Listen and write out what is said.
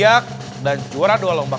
untuk juara pertama